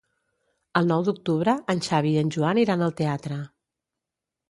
El nou d'octubre en Xavi i en Joan iran al teatre.